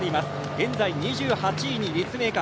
現在２８位に、立命館。